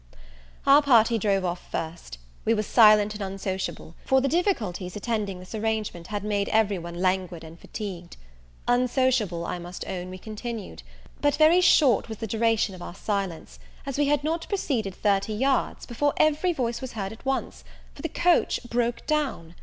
Our party drove off first. We were silent and unsociable; for the difficulties attending this arrangement had made every one languid and fatigued. Unsociable, I must own, we continued; but very short was the duration of our silence, as we had not proceeded thirty yards before every voice was heard at once for the coach broke down!